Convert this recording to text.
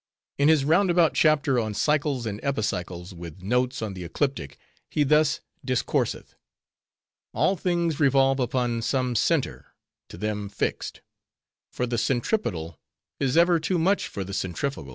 In his roundabout chapter on Cycles and Epicycles, with Notes on the Ecliptic, he thus discourseth:—'All things revolve upon some center, to them, fixed; for the centripetal is ever too much for the centrifugal.